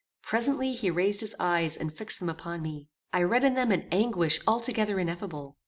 Presently he raised his eyes and fixed them upon me. I read in them an anguish altogether ineffable.